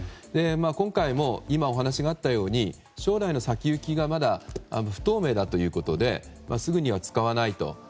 今回も、今お話があったように将来の先行きがまだ不透明だということですぐには使わないと。